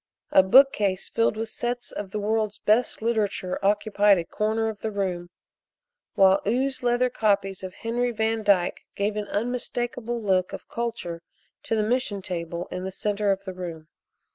A bookcase filled with sets of the world's best literature occupied a corner of the room, while ooze leather copies of Henry Van Dyke gave an unmistakable look of culture to the mission table in the center of the room.